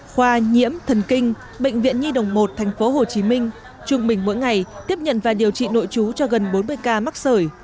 khoa nhiễm thần kinh bệnh viện nhi đồng một tp hcm trung bình mỗi ngày tiếp nhận và điều trị nội chú cho gần bốn mươi ca mắc sởi